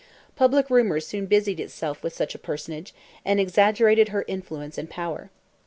Public rumour soon busied itself with such a personage, and exaggerated her influence and power.